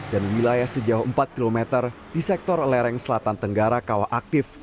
dan di wilayah sejauh empat kilometer di sektor lereng selatan tenggara kawah aktif